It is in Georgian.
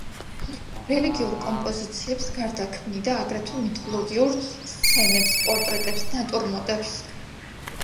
რელიგიურ კომპოზიციებს გარდა ქმნიდა აგრეთვე მითოლოგიურ სცენებს, პორტრეტებს, ნატურმორტებს.